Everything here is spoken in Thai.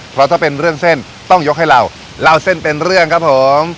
เพราะถ้าเป็นเรื่องเส้นต้องยกให้เราเล่าเส้นเป็นเรื่องครับผม